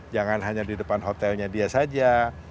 jangan hanya di depan hotelnya dia saja